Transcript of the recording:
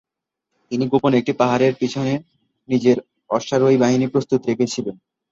তিনি গোপনে একটি পাহাড়ের পিছনে নিজের অশ্বারোহী বাহিনী প্রস্তুত রেখেছিলেন।